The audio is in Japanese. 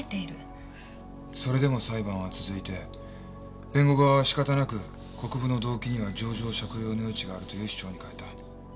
それでも裁判は続いて弁護側はしかたなく国府の動機には情状酌量の余地があるという主張に変えた。